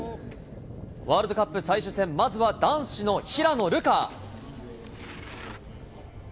ワールドカップ最終戦、まずは男子の平野流佳。